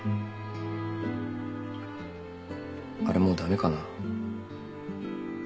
あれもう駄目かな。